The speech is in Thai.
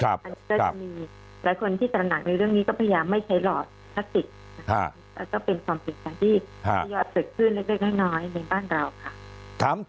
แล้วก็เป็นความผลิตภัณฑ์ที่ยอดสุดขึ้นเล็กน้อยในบ้านเราค่ะ